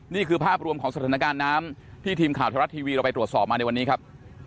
นี่คือภาพรวมของสถานการณ์น้ำที่ทีมข่าวไทยรัฐทีวีเราไปตรวจสอบมาในวันนี้ครับ